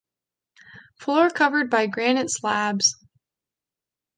Floor covered by granite slabs.